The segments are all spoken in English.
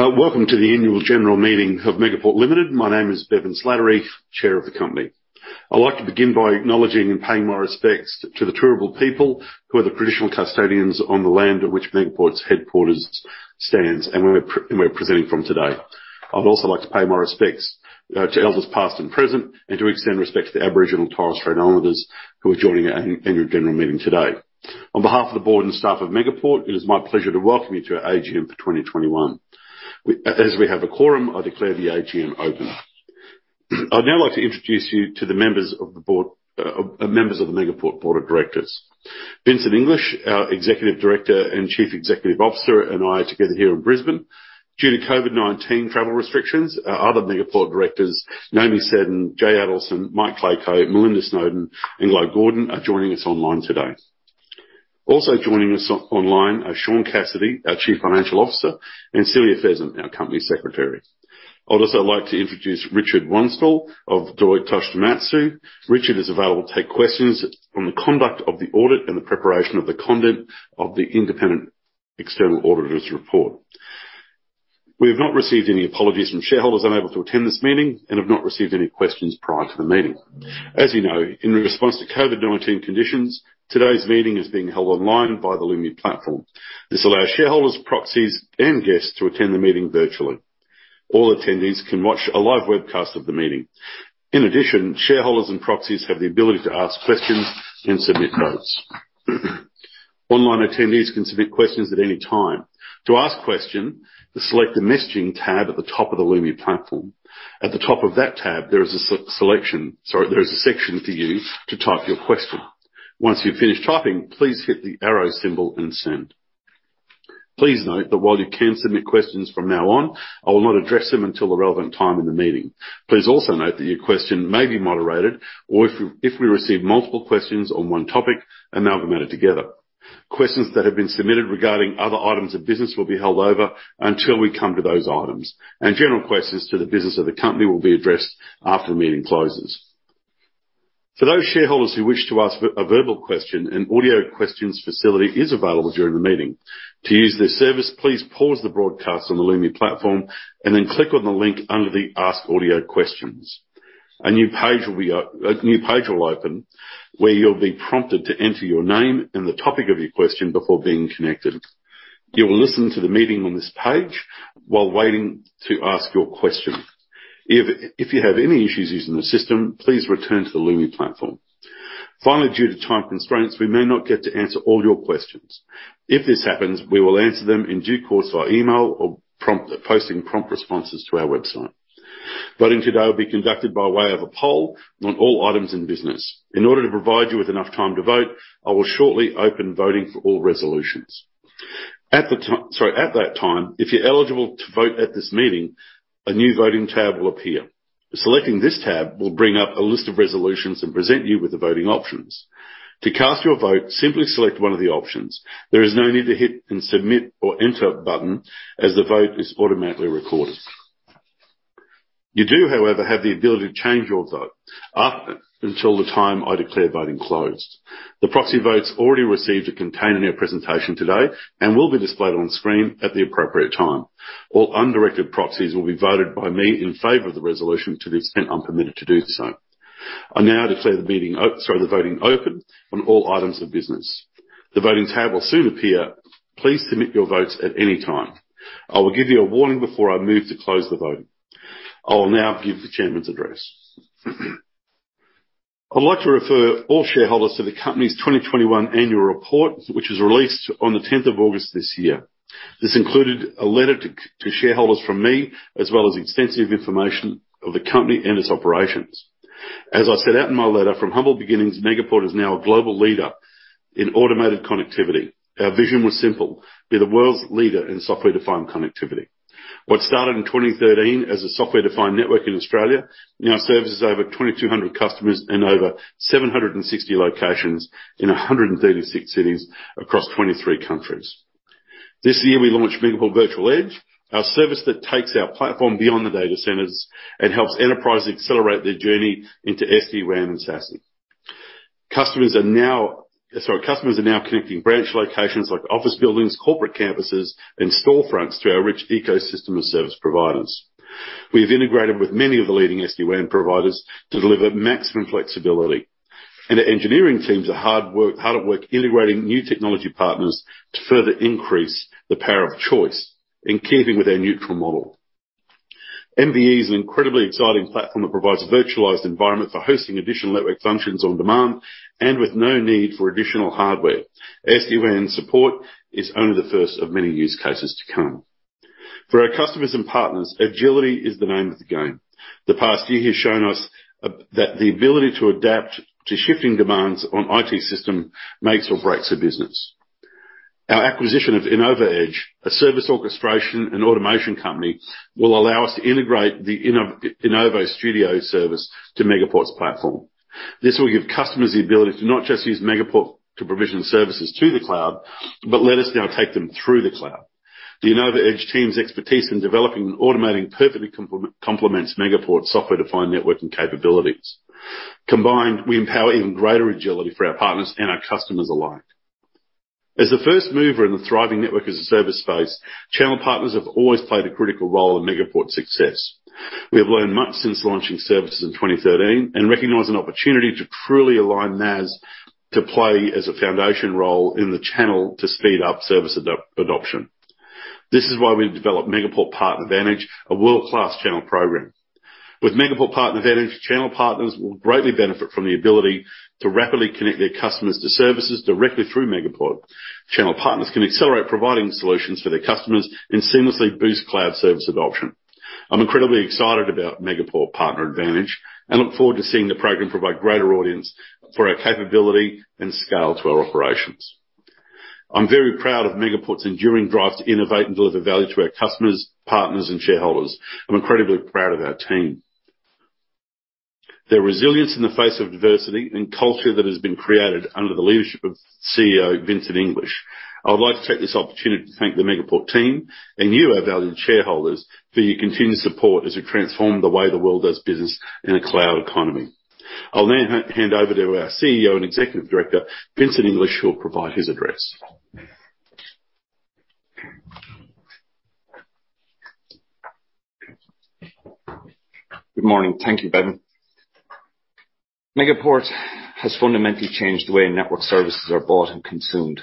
Welcome to the annual general meeting of Megaport Limited. My name is Bevan Slattery, chair of the company. I'd like to begin by acknowledging and paying my respects to the Turrbal people, who are the traditional custodians of the land on which Megaport's headquarters stands, and where we're presenting from today. I'd also like to pay my respects to elders past and present, and to extend my respects to the Aboriginal and Torres Strait Islanders who are joining our annual general meeting today. On behalf of the board and staff of Megaport, it is my pleasure to welcome you to our AGM for 2021. As we have a quorum, I declare the AGM open. I'd now like to introduce you to the members of the Megaport board of directors. Vincent English, our Executive Director and Chief Executive Officer, and I are together here in Brisbane. Due to COVID-19 travel restrictions, our other Megaport directors, Naomi Seddon, Jay Adelson, Michael Klayko, Melinda Snowden, and Glo Gordon, are joining us online today. Also joining us online are Sean Cassidy, our Chief Financial Officer, and Celia Pheasant, our Company Secretary. I'd also like to introduce Richard Wanstall of Deloitte Touche Tohmatsu. Richard is available to take questions on the conduct of the audit and the preparation of the content of the independent external auditor's report. We have not received any apologies from shareholders unable to attend this meeting, and have not received any questions prior to the meeting. As you know, in response to COVID-19 conditions, today's meeting is being held online via the Lumi platform. This allows shareholders, proxies, and guests to attend the meeting virtually. All attendees can watch a live webcast of the meeting. In addition, shareholders and proxies have the ability to ask questions and submit votes. Online attendees can submit questions at any time. To ask a question, just select the messaging tab at the top of the Lumi platform. At the top of that tab, there is a section for you to type your question. Once you've finished typing, please hit the arrow symbol and send. Please note that while you can submit questions from now on, I will not address them until the relevant time in the meeting. Please also note that your question may be moderated, or if we receive multiple questions on one topic, amalgamated together. Questions that have been submitted regarding other items of business will be held over until we come to those items. General questions about the business of the company will be addressed after the meeting closes. For those shareholders who wish to ask a verbal question, an audio question facility is available during the meeting. To use this service, please pause the broadcast on the Lumi platform and then click on the link under the Ask Audio Questions. A new page will open, where you'll be prompted to enter your name and the topic of your question before being connected. You will listen to the meeting on this page while waiting to ask your question. If you have any issues using the system, please return to the Lumi platform. Finally, due to time constraints, we may not get to answer all your questions. If this happens, we will answer them in due course via email or by posting prompt responses to our website. Voting today will be conducted by way of a poll on all items in business. In order to provide you with enough time to vote, I will shortly open voting for all resolutions. At that time, if you're eligible to vote at this meeting, a new voting tab will appear. Selecting this tab will bring up a list of resolutions and present you with the voting options. To cast your vote, simply select one of the options. There is no need to hit the submit or enter button, as the vote is automatically recorded. You do, however, have the ability to change your vote up until the time I declare voting closed. The proxy votes already received are contained in our presentation today and will be displayed on screen at the appropriate time. All undirected proxies will be voted by me in favor of the resolution to the extent I'm permitted to do so. I now declare the voting open on all items of business. The voting tab will soon appear. Please submit your votes at any time. I will give you a warning before I move to close the voting. I will now give the chairman's address. I'd like to refer all shareholders to the company's 2021 annual report, which was released on August 10th this year. This included a letter to shareholders from me, as well as extensive information about the company and its operations. As I set out in my letter, from humble beginnings, Megaport is now a global leader in automated connectivity. Our vision was simple: Be the world's leader in software-defined connectivity. What started in 2013 as a software-defined network in Australia now services over 2,200 customers in over 760 locations in 136 cities across 23 countries. This year, we launched Megaport Virtual Edge, our service that takes our platform beyond the data centers and helps enterprises accelerate their journey into SD-WAN and SASE. Customers are now connecting branch locations like office buildings, corporate campuses, and storefronts through our rich ecosystem of service providers. We have integrated with many of the leading SD-WAN providers to deliver maximum flexibility. Our engineering teams are hard at work integrating new technology partners to further increase the power of choice in keeping with our neutral model. MVE is an incredibly exciting platform that provides a virtualized environment for hosting additional network functions on demand and with no need for additional hardware. SD-WAN support is only the first of many use cases to come. For our customers and partners, agility is the name of the game. The past year has shown us that the ability to adapt to shifting demands on the IT system makes or breaks a business. Our acquisition of InnovoEdge, a service orchestration and automation company, will allow us to integrate the InnovaStudio service to Megaport's platform. This will give customers the ability to not just use Megaport to provision services to the cloud, but let us now take them through the cloud. The InnovoEdge team's expertise in developing and automating perfectly complements Megaport's software-defined networking capabilities. Combined, we empower even greater agility for our partners and our customers alike. As the first mover in the thriving Network as a Service space, channel partners have always played a critical role in Megaport's success. We have learned much since launching services in 2013 and recognize an opportunity to truly align NaaS to play as a foundation role in the channel to speed up service adoption. This is why we've developed Megaport PartnerVantage, a world-class channel program. With Megaport PartnerVantage, channel partners will greatly benefit from the ability to rapidly connect their customers to services directly through Megaport. Channel partners can accelerate providing solutions for their customers and seamlessly boost cloud service adoption. I'm incredibly excited about Megaport PartnerVantage and look forward to seeing the program provide a greater audience for our capabilities and scale to our operations. I'm very proud of Megaport's enduring drive to innovate and deliver value to our customers, partners, and shareholders. I'm incredibly proud of our team, their resilience in the face of adversity, and the culture that has been created under the leadership of CEO Vincent English. I would like to take this opportunity to thank the Megaport team and you, our valued shareholders, for your continued support as we transform the way the world does business in a cloud economy. I'll now hand over to our CEO and Executive Director, Vincent English, who will provide his address. Good morning. Thank you, Bevan. Megaport has fundamentally changed the way network services are bought and consumed.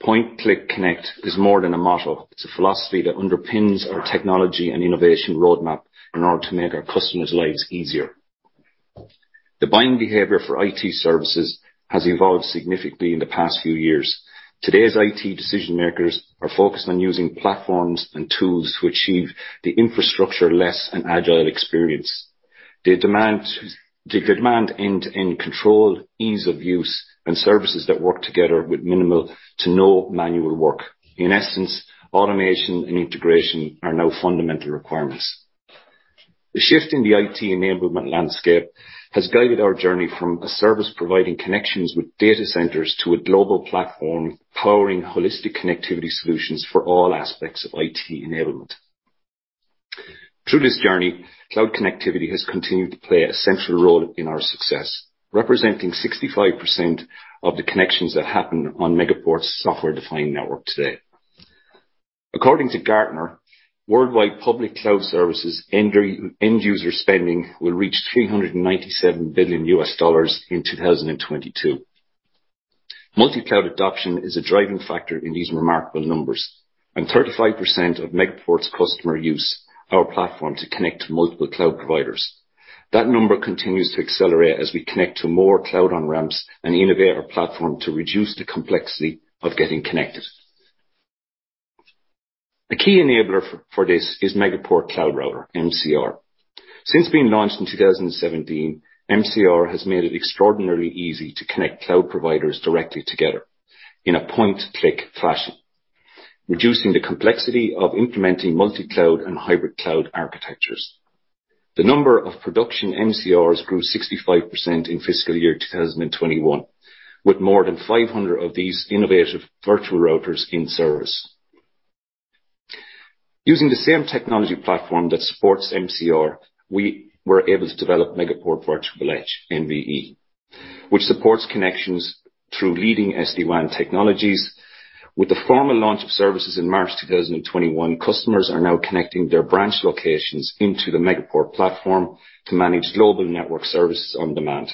Point, click, connect is more than a motto. It's a philosophy that underpins our technology and innovation roadmap in order to make our customers' lives easier. The buying behavior for IT services has evolved significantly in the past few years. Today's IT decision-makers are focused on using platforms and tools to achieve a more agile infrastructure experience. They demand end-to-end control, ease of use, and services that work together with minimal to no manual work. In essence, automation and integration are now fundamental requirements. The shift in the IT enablement landscape has guided our journey from a service providing connections with data centers to a global platform powering holistic connectivity solutions for all aspects of IT enablement. Through this journey, cloud connectivity has continued to play a central role in our success, representing 65% of the connections that happen on Megaport's software-defined network today. According to Gartner, worldwide public cloud services end-user spending will reach $397 billion in 2022. Multi-cloud adoption is a driving factor in these remarkable numbers, and 35% of Megaport's customers use our platform to connect to multiple cloud providers. That number continues to accelerate as we connect to more cloud on-ramps and innovate our platform to reduce the complexity of getting connected. A key enabler for this is Megaport Cloud Router, MCR. Since being launched in 2017, MCR has made it extraordinarily easy to connect cloud providers directly together in a point-and-click fashion, reducing the complexity of implementing multi-cloud and hybrid cloud architectures. The number of production MCRs grew 65% in fiscal year 2021, with more than 500 of these innovative virtual routers in service. Using the same technology platform that supports MCR, we were able to develop Megaport Virtual Edge, MVE, which supports connections through leading SD-WAN technologies. With the formal launch of services in March 2021, customers are now connecting their branch locations to the Megaport platform to manage global network services on demand.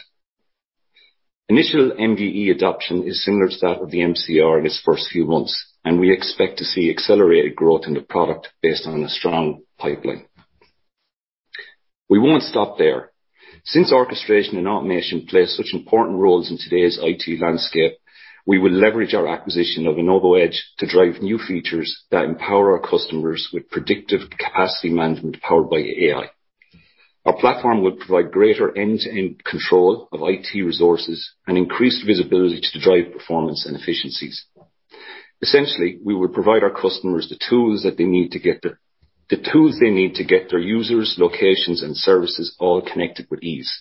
Initial MVE adoption is similar to that of the MCR in its first few months, and we expect to see accelerated growth in the product based on a strong pipeline. We won't stop there. Since orchestration and automation play such important roles in today's IT landscape, we will leverage our acquisition of InnovoEdge to drive new features that empower our customers with predictive capacity management powered by AI. Our platform will provide greater end-to-end control of IT resources and increase visibility to drive performance and efficiencies. Essentially, we will provide our customers with the tools they need to get their users, locations, and services all connected with ease.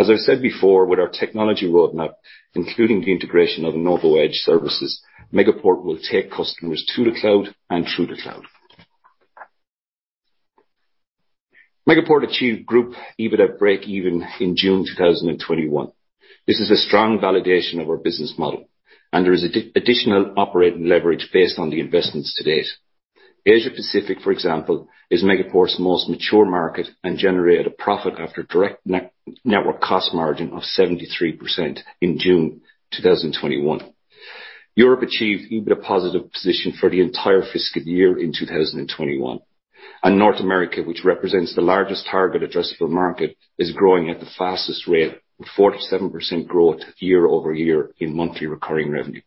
As I've said before, with our technology roadmap, including the integration of InnovoEdge services, Megaport will take customers to the cloud and through the cloud. Megaport achieved group EBITDA breakeven in June 2021. This is a strong validation of our business model, and there is additional operating leverage based on the investments to date. Asia Pacific, for example, is Megaport's most mature market and generated a profit after direct network cost margin of 73% in June 2021. Europe achieved a positive EBITDA position for the entire fiscal year in 2021. North America, which represents the largest target addressable market, is growing at the fastest rate, with 47% growth year-over-year in monthly recurring revenue.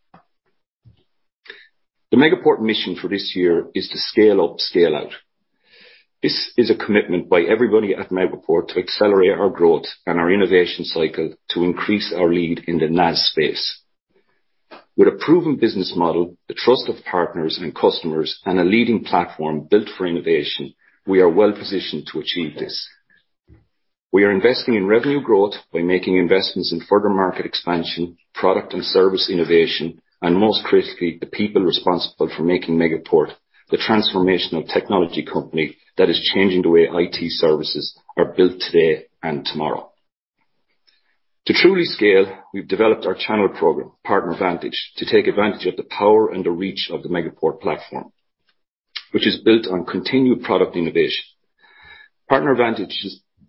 The Megaport mission for this year is to scale up, scale out. This is a commitment by everybody at Megaport to accelerate our growth and our innovation cycle to increase our lead in the NaaS space. With a proven business model, the trust of partners and customers, and a leading platform built for innovation, we are well-positioned to achieve this. We are investing in revenue growth by making investments in further market expansion, product and service innovation, and most critically, the people responsible for making Megaport the transformational technology company that is changing the way IT services are built today and tomorrow. To truly scale, we've developed our channel program, PartnerVantage, to take advantage of the power and the reach of the Megaport platform, which is built on continued product innovation. PartnerVantage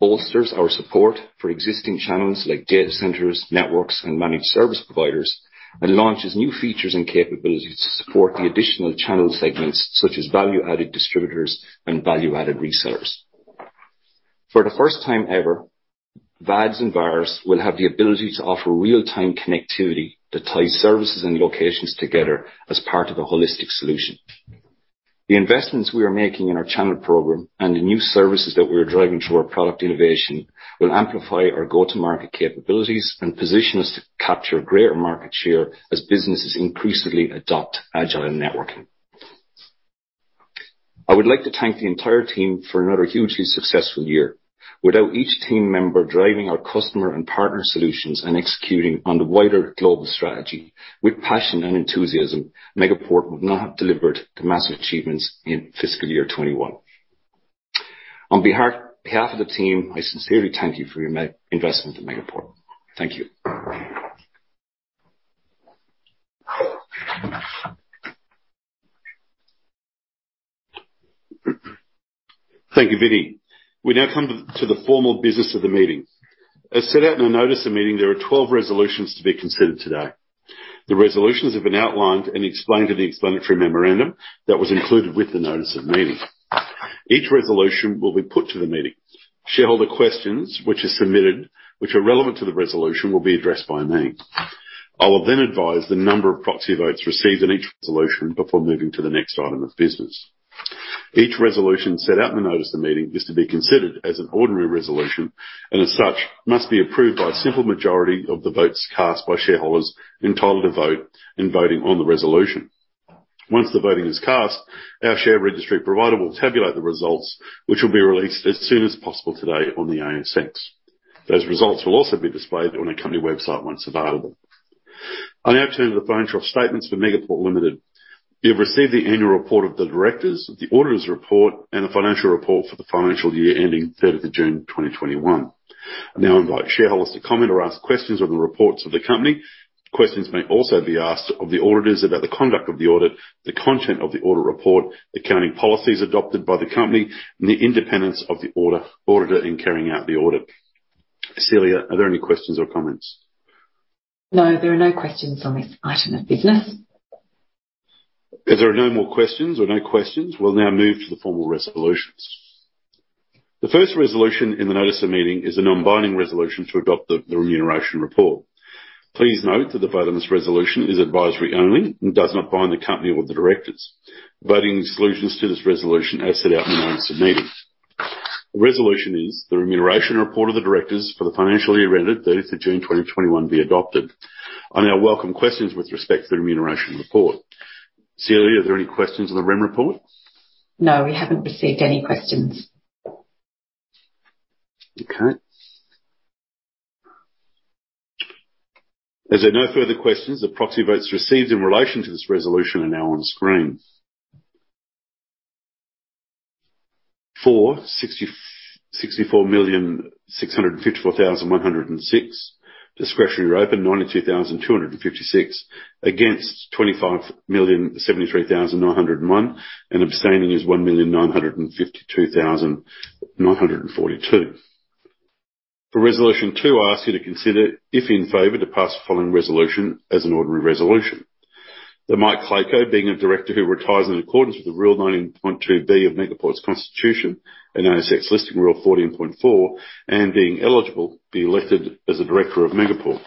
bolsters our support for existing channels like data centers, networks, and managed service providers, and launches new features and capabilities to support the additional channel segments, such as value-added distributors and value-added resellers. For the first time ever, VADs and VARs will have the ability to offer real-time connectivity that ties services and locations together as part of a holistic solution. The investments we are making in our channel program and the new services that we are driving through our product innovation will amplify our go-to-market capabilities and position us to capture greater market share as businesses increasingly adopt agile networking. I would like to thank the entire team for another hugely successful year. Without each team member driving our customer and partner solutions and executing on the wider global strategy with passion and enthusiasm, Megaport would not have delivered the massive achievements in fiscal year 2021. On behalf of the team, I sincerely thank you for your investment in Megaport. Thank you. Thank you, Vinny. We now come to the formal business of the meeting. As set out in the notice of the meeting, there are 12 resolutions to be considered today. The resolutions have been outlined and explained in the explanatory memorandum that was included with the notice of meeting. Each resolution will be put to the meeting. Shareholder questions that are relevant to the resolution will be addressed by me. I will then advise the number of proxy votes received in each resolution before moving to the next item of business. Each resolution set out in the notice of the meeting is to be considered as an ordinary resolution, and as such, must be approved by a simple majority of the votes cast by shareholders entitled to vote in voting on the resolution. Once the voting is cast, our share registry provider will tabulate the results, which will be released as soon as possible today on the ASX. Those results will also be displayed on our company website once available. I now turn to the financial statements for Megaport Limited. You've received the annual report of the directors, the auditor's report, and the financial report for the financial year ending June 30th, 2021. I now invite shareholders to comment or ask questions on the reports of the company. Questions may also be asked of the auditors about the conduct of the audit, the content of the audit report, the accounting policies adopted by the company, and the independence of the auditor in carrying out the audit. Celia, are there any questions or comments? No, there are no questions on this item of business. If there are no more questions or no questions, we'll now move to the formal resolutions. The first resolution in the notice of meeting is a non-binding resolution to adopt the remuneration report. Please note that the vote on this resolution is advisory only and does not bind the company or the directors. Voting exclusions to this resolution are set out in the notice of meeting. The resolution is the remuneration report of the directors for the financial year ended June 30, 2021, to be adopted. I now welcome questions with respect to the remuneration report. Celia, are there any questions on the rem report? No, we haven't received any questions. Okay. As there are no further questions, the proxy votes received in relation to this resolution are now on screen. For 64,654,106. Discretionary open, 92,256. Against, 25,073,901. Abstaining is 1,952,942. For resolution two, I ask you to consider, if in favor, to pass the following resolution as an ordinary resolution. That Michael Klayko, being a director who retires in accordance with Rule 19.2B of Megaport's Constitution and ASX Listing Rule 14.4, and being eligible, be elected as a director of Megaport.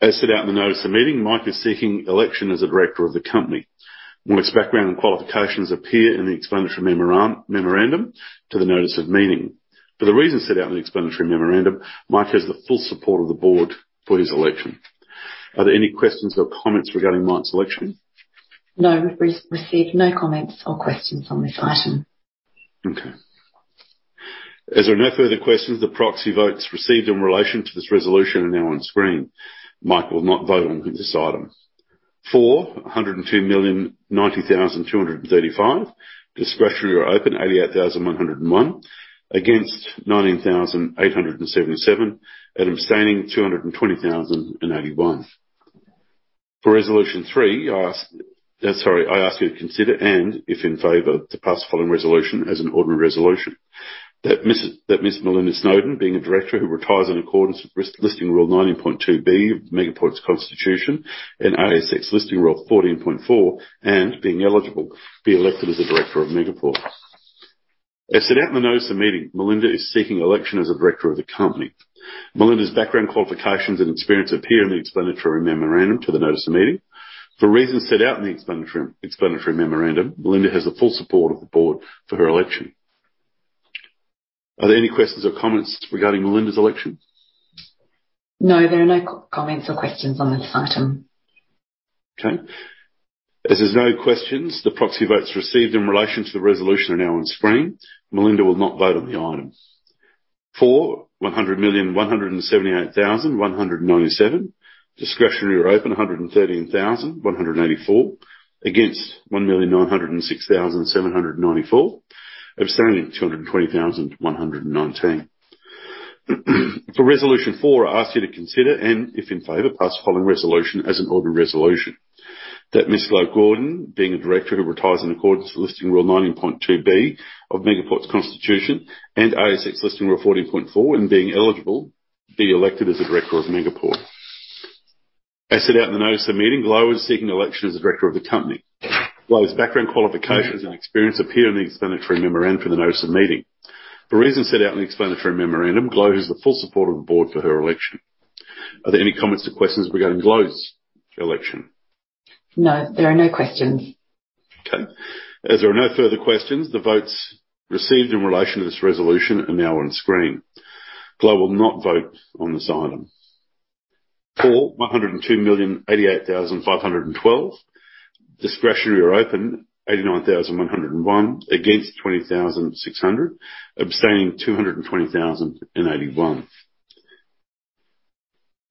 As set out in the notice of the meeting, Michael is seeking election as a director of the company. Michael's background and qualifications appear in the explanatory memorandum to the notice of meeting. For the reasons set out in the explanatory memorandum, Michael has the full support of the board for his election. Are there any questions or comments regarding Michael's election? No. We've received no comments or questions on this item. Okay. As there are no further questions, the proxy votes received in relation to this resolution are now on screen. Mike will not vote on this item. For 102,090,235. Discretionary or open, 88,101. Against, 19,877. Abstaining, 220,081. For resolution three, I ask you to consider, and if in favor, to pass the following resolution as an ordinary resolution. That Melinda Snowden, being a director who retires in accordance with Listing Rule 19.2B of Megaport's Constitution and ASX Listing Rule 14.4, and being eligible, be elected as a director of Megaport. As set out in the notice of the meeting, Melinda is seeking election as a director of the company. Melinda's background, qualifications, and experience appear in the explanatory memorandum to the notice of meeting. For reasons set out in the explanatory memorandum, Melinda has the full support of the board for her election. Are there any questions or comments regarding Melinda's election? No, there are no comments or questions on this item. Okay. As there are no questions, the proxy votes received in relation to the resolution are now on screen. Melinda will not vote on the item. For 100,178,197. Discretionary or open, 113,184. Against, 1,906,794. Abstaining, 220,119. For resolution four, I ask you to consider, and if in favor, pass the following resolution as an ordinary resolution. That Ms. Glo Gordon, being a director who retires in accordance with Listing Rule 19.2B of Megaport's Constitution and ASX Listing Rule 14.4, and being eligible, be elected as a director of Megaport. As set out in the notice of meeting, Glo is seeking election as a director of the company. Glo's background qualifications and experience appear in the explanatory memorandum for the notice of meeting. For reasons set out in the explanatory memorandum, Glo has the full support of the board for her election. Are there any comments or questions regarding Glo's election? No, there are no questions. Okay. As there are no further questions, the votes received in relation to this resolution are now on screen. Glo will not vote on this item. For 102,088,512. Discretionary or open, 89,101. Against, 20,600. Abstaining, 220,081.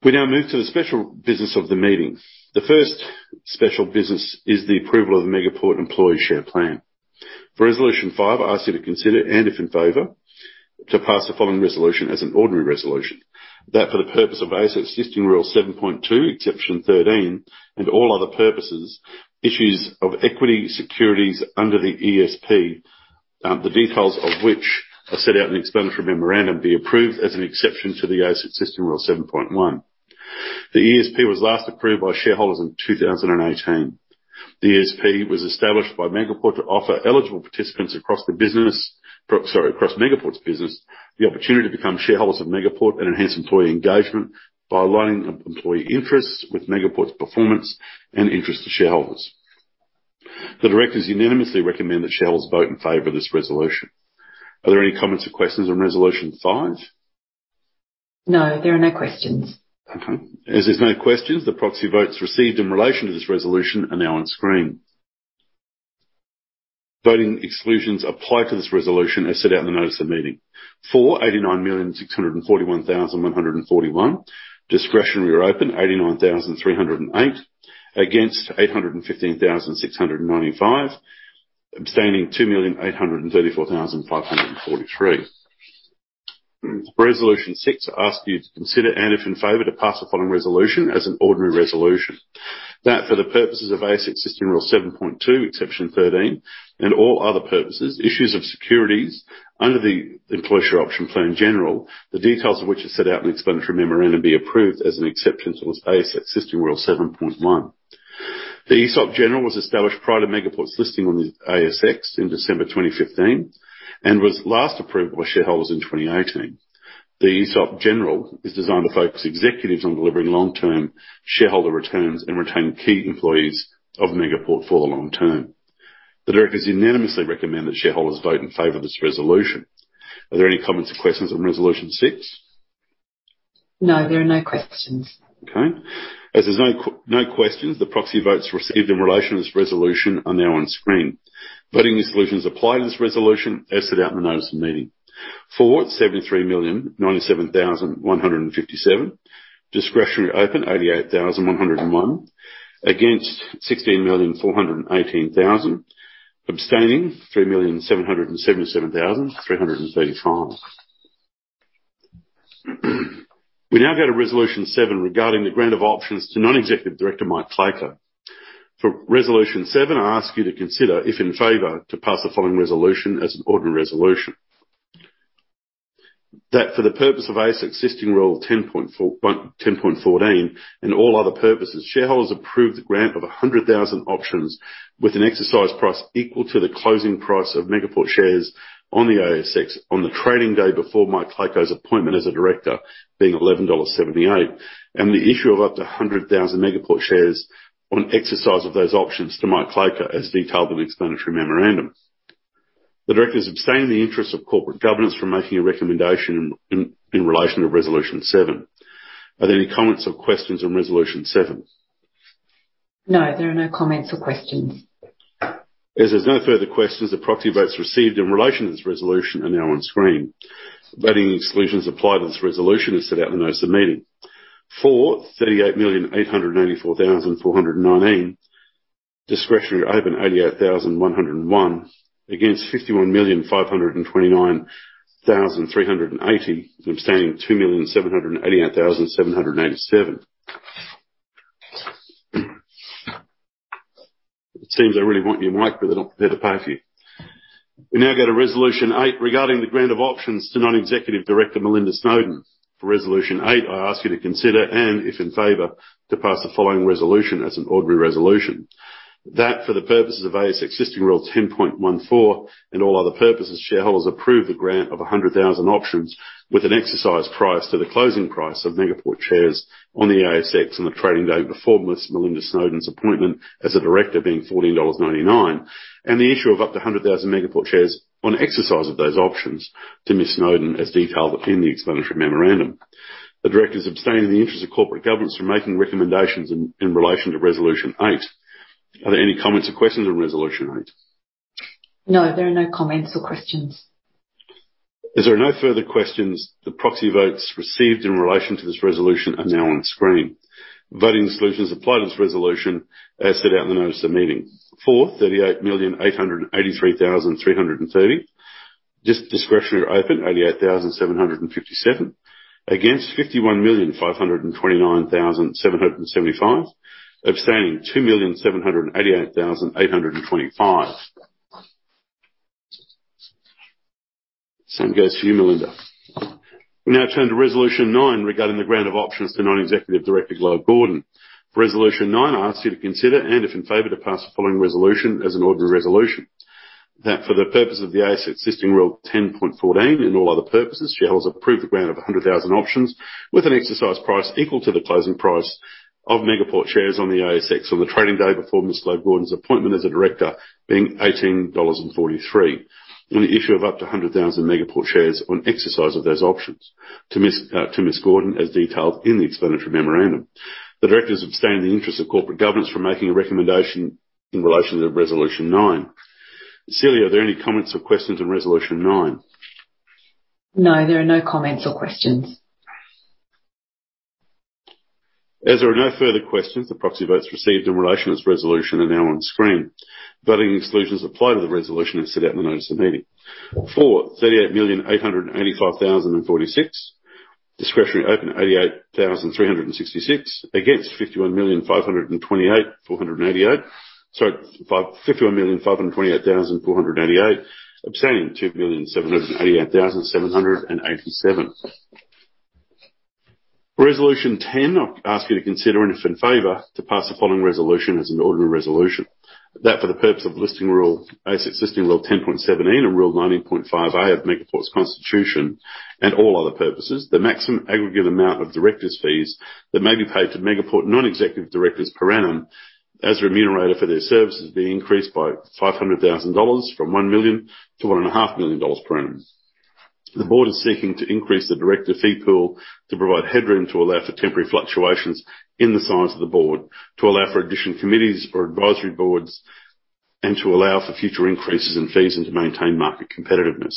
We now move to the special business of the meeting. The first special business is the approval of the Megaport Employee Share Plan. For resolution five, I ask you to consider, and if in favor, to pass the following resolution as an ordinary resolution. For the purpose of ASX Listing Rule 7.2, exception 13, and all other purposes, issues of equity securities under the ESP, the details of which are set out in the explanatory memorandum, are approved as an exception to the ASX Listing Rule 7.1. The ESP was last approved by shareholders in 2018. The ESP was established by Megaport to offer eligible participants across Megaport's business the opportunity to become shareholders of Megaport and enhance employee engagement by aligning employee interests with Megaport's performance and interest to shareholders. The directors unanimously recommend that shareholders vote in favor of this resolution. Are there any comments or questions on resolution five? No, there are no questions. Okay. There are no questions, the proxy votes received in relation to this resolution are now on screen. Voting exclusions apply to this resolution as set out in the notice of meeting. For 89,641,141. Discretionary or open, 89,308. Against, 815,695. Abstaining, 2,834,543. For resolution six, I ask you to consider, and if in favor, to pass the following resolution as an ordinary resolution. That, for the purposes of ASX Listing Rule 7.2, exception 13, and all other purposes, issues of securities under the Employee Share Option Plan General, the details of which are set out in the explanatory memorandum, be approved as an exception to ASX Listing Rule 7.1. The ESOP General was established prior to Megaport's listing on the ASX in December 2015 and was last approved by shareholders in 2018. The ESOP General is designed to focus executives on delivering long-term shareholder returns and retaining key employees of Megaport for the long term. The directors unanimously recommend that shareholders vote in favor of this resolution. Are there any comments or questions on resolution six? No, there are no questions. Okay. As there are no questions, the proxy votes received in relation to this resolution are now on screen. Voting exclusions apply to this resolution as set out in the notice of meeting. For 73,097,157. Discretionary open, 88,101. Against, 16,418,000. Abstaining, 3,777,335. We now go to resolution seven regarding the grant of options to non-executive director Michael Klayko. For resolution seven, I ask you to consider, if in favor, to pass the following resolution as an ordinary resolution. That for the purpose of ASX Listing Rule 10.14, and all other purposes, shareholders approve the grant of 100,000 options with an exercise price equal to the closing price of Megaport shares on the ASX on the trading day before Michael Klayko was appointed a director, being AUD 11.78, and the issue of up to 100,000 Megaport shares on exercise of those options to Michael Klayko as detailed in the explanatory memorandum. The directors abstain in the interest of corporate governance from making a recommendation in relation to resolution seven. Are there any comments or questions on resolution seven? No, there are no comments or questions. As there are no further questions, the proxy votes received in relation to this resolution are now on screen. Voting exclusions apply to this resolution as set out in the notice of meeting. For 38,884,419. Discretionary open, 88,101. Against, 51,529,380. Abstaining, 2,788,787. It seems they really want your mic, but they're not prepared to pay for you. We now go to resolution eight regarding the grant of options to non-executive director Melinda Snowden. For resolution eight, I ask you to consider, and if in favor, to pass the following resolution as an ordinary resolution. That for the purposes of ASX Listing Rule 10.14, and all other purposes, shareholders approve the grant of 100,000 options with an exercise price to the closing price of Megaport shares on the ASX on the trading day before Ms. Melinda Snowden was appointed a director, being 14.99 dollars, and the issue of up to 100,000 Megaport shares on exercise of those options to Ms. Snowden as detailed in the explanatory memorandum. The directors abstain in the interest of corporate governance from making recommendations in relation to resolution eight. Are there any comments or questions on resolution eight? No, there are no comments or questions. As there are no further questions, the proxy votes received in relation to this resolution are now on screen. Voting solutions apply to this resolution as set out in the notice of the meeting. For 38,883,330. Discretionary open, 88,757. Against, 51,529,775. Abstaining, 2,788,825. The same goes for you, Melinda. We now turn to resolution nine regarding the grant of options to the non-executive director, Glo Gordon. For resolution nine, I ask you to consider, and if in favor, to pass the following resolution as an ordinary resolution. That for the purpose of the ASX Listing Rule 10.14 and all other purposes, shareholders approve the grant of 100,000 options with an exercise price equal to the closing price of Megaport shares on the ASX on the trading day before Ms. Glo Gordon's appointment as a director, being 18.43 dollars, and the issue of up to 100,000 Megaport shares on exercise of those options to Ms. Gordon as detailed in the explanatory memorandum. The directors abstain in the interest of corporate governance from making a recommendation in relation to resolution nine. Celia, are there any comments or questions on resolution nine? No, there are no comments or questions. There are no further questions. The proxy votes received in relation to this resolution are now on screen. Voting solutions apply to the resolution as set out in the notice of meeting. For 38,885,046. Discretionary open, 88,366. Against, 51,528,488. Abstaining, 2,788,787. Resolution 10, I'll ask you to consider, and if in favor, to pass the following resolution as an ordinary resolution. That, for the purpose of ASX Listing Rule 10.17 and Rule 19.5A of Megaport's Constitution and all other purposes, the maximum aggregate amount of directors' fees that may be paid to Megaport non-executive directors per annum, as remunerated for their services, be increased by 500,000 dollars from 1 million-1.5 million dollars per annum. The board is seeking to increase the director fee pool to provide headroom to allow for temporary fluctuations in the size of the board, to allow for additional committees or advisory boards, and to allow for future increases in fees and to maintain market competitiveness.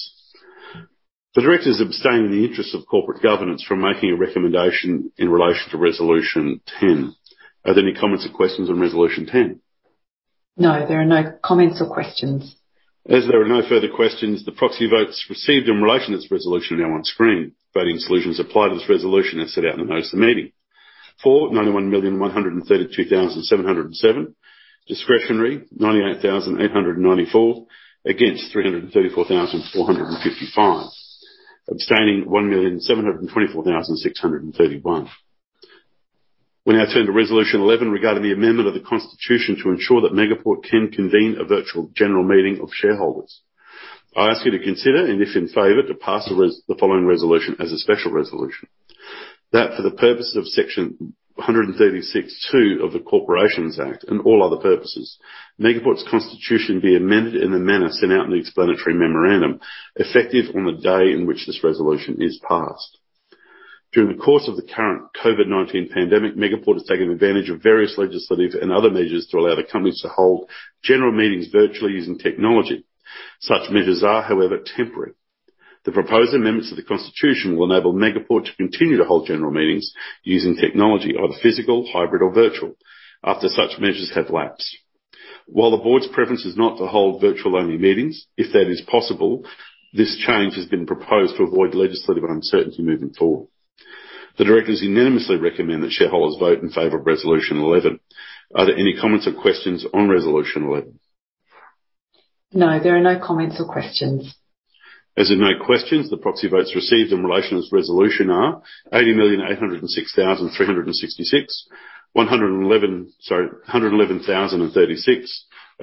The directors abstain in the interest of corporate governance from making a recommendation in relation to resolution 10. Are there any comments or questions on resolution 10? No, there are no comments or questions. As there are no further questions, the proxy votes received in relation to this resolution are now on screen. Voting solutions apply to this resolution as set out in the notice of meeting. For 91,132,707. Discretionary, 98,894. Against, 334,455. Abstaining, 1,724,631. We now turn to resolution 11 regarding the amendment of the Constitution to ensure that Megaport can convene a virtual general meeting of shareholders. I ask you to consider, and if in favor, to pass the following resolution as a special resolution. That, for the purposes of Section 136(2) of the Corporations Act and all other purposes, Megaport's Constitution be amended in the manner set out in the explanatory memorandum, effective on the day on which this resolution is passed. During the course of the current COVID-19 pandemic, Megaport has taken advantage of various legislative and other measures to allow the company to hold general meetings virtually using technology. Such measures are, however, temporary. The proposed amendments to the Constitution will enable Megaport to continue to hold general meetings using technology, either physical, hybrid, or virtual, after such measures have lapsed. While the board's preference is not to hold virtual-only meetings, if that is possible, this change has been proposed to avoid legislative uncertainty moving forward. The directors unanimously recommend that shareholders vote in favor of Resolution 11. Are there any comments or questions on Resolution 11? No, there are no comments or questions. As there are no questions, the proxy votes received in relation to this resolution are 80,806,366. 111,036 are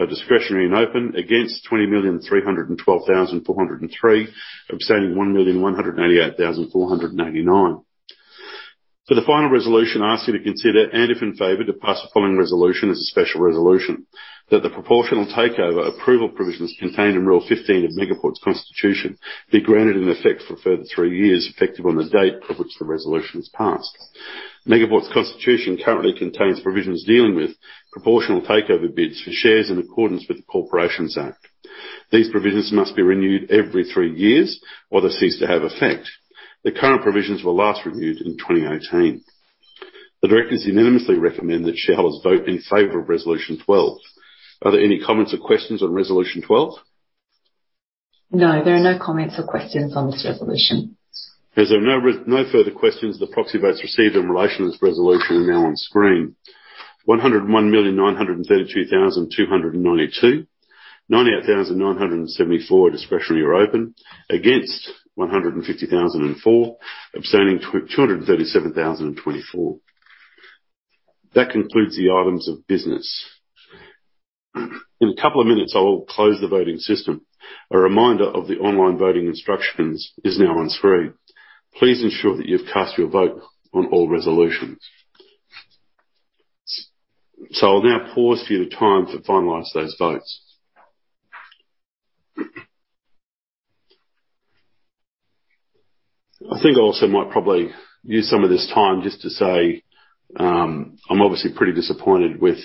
discretionary and open. Against, 20,312,403. Abstaining, 1,188,499. For the final resolution, I ask you to consider, and if in favor, to pass the following resolution as a special resolution. That the proportional takeover approval provisions contained in Rule 15 of Megaport's Constitution be granted in effect for a further three years, effective on the date on which the resolution is passed. Megaport's Constitution currently contains provisions dealing with proportional takeover bids for shares in accordance with the Corporations Act. These provisions must be renewed every three years, or they cease to have effect. The current provisions were last renewed in 2018. The directors unanimously recommend that shareholders vote in favor of Resolution 12. Are there any comments or questions on Resolution 12? No, there are no comments or questions on this resolution. There are no further questions. The proxy votes received in relation to this resolution are now on screen. 101,932,292. 98,974 are discretionary or open. Against, 150,004. Abstaining, 237,024. That concludes the items of business. In a couple of minutes, I will close the voting system. A reminder of the online voting instructions is now on screen. Please ensure that you've cast your vote on all resolutions. I'll now pause for you to have time to finalize those votes. I think I also might probably use some of this time just to say, I'm obviously pretty disappointed with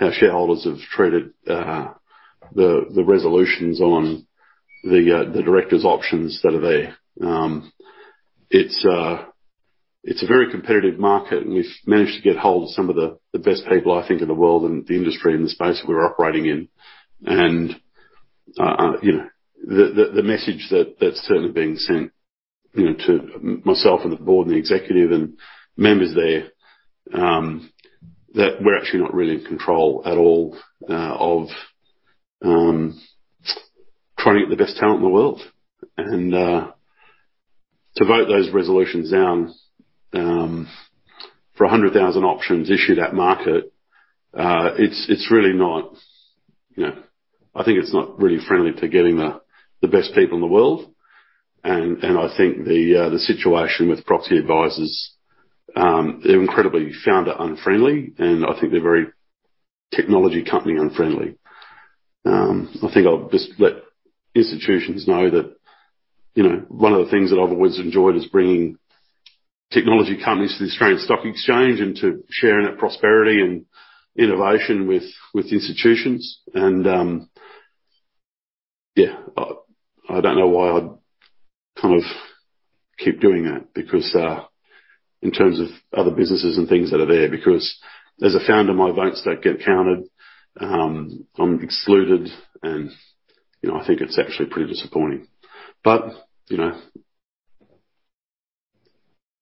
how shareholders have treated the resolutions on the director's options that are there. It's a very competitive market, and we've managed to get hold of some of the best people, I think, in the world in the industry and the space that we're operating in. The message that's certainly being sent to myself and the board and the executive and members there, that we're actually not really in control at all of trying to get the best talent in the world. To vote those resolutions down for 100,000 options issued at market, I think it's not really friendly to getting the best people in the world. I think the situation with proxy advisers is incredibly founder-unfriendly, and I think they're very technology-company-unfriendly. I think I'll just let institutions know that one of the things that I've always enjoyed is bringing technology companies to the Australian Securities Exchange and to sharing that prosperity and innovation with institutions. Yeah. I don't know why I'd keep doing that, because in terms of other businesses and things that are there, as a founder, my votes don't get counted. I'm excluded, and I think it's actually pretty disappointing.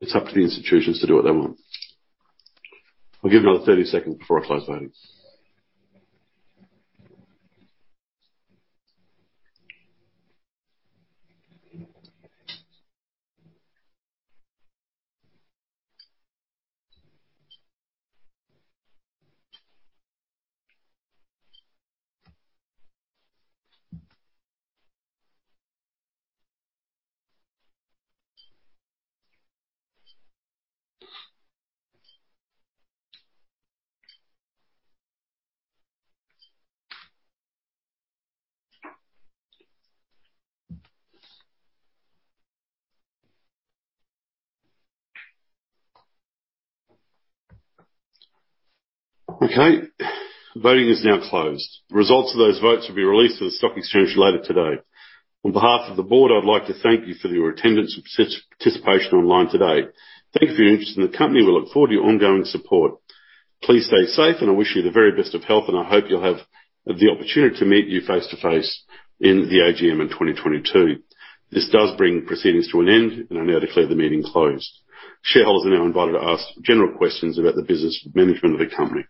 It's up to the institutions to do what they want. I'll give it another 30 seconds before I close voting. Okay. Voting is now closed. The results of those votes will be released to the stock exchange later today. On behalf of the board, I'd like to thank you for your attendance and participation online today. Thank you for your interest in the company. We look forward to your ongoing support. Please stay safe, and I wish you the very best of health. I hope you'll have the opportunity to meet me face-to-face at the AGM in 2022. This does bring proceedings to an end, and I now declare the meeting closed. Shareholders are now invited to ask general questions about the business management of the company.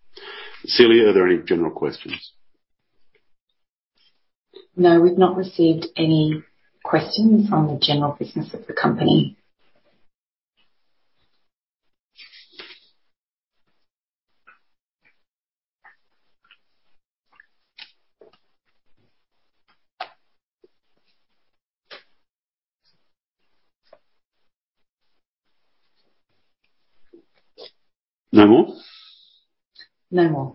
Celia, are there any general questions? No, we've not received any questions on the general business of the company. No more? No more.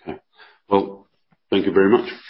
Okay. Well, thank you very much.